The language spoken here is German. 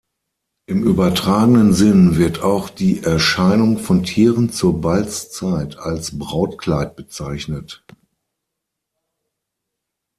Im übertragenen Sinn wird auch die Erscheinung von Tieren zur Balzzeit als Brautkleid bezeichnet.